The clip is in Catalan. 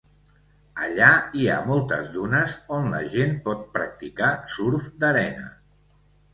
Allà hi ha moltes dunes on la gent pot practicar surf d'arena.